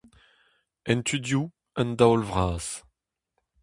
En tu dehoù, un daol vras.